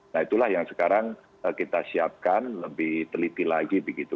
nah itulah yang sekarang kita siapkan lebih teliti lagi begitu